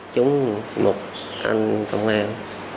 trúng một anh công an